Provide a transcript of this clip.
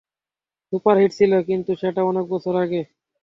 Super hit ছিল, কিন্তু সেটা অনেক বছর আগে।